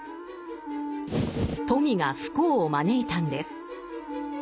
富が不幸を招いたんです。